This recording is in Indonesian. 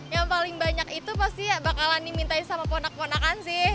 yang paling banyak itu pasti bakalan dimintain sama ponak ponakan sih